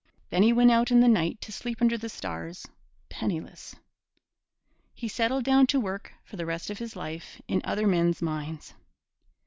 Then he went out in the night to sleep under the stars, penniless. He settled down to work for the rest of his life in other men's mines.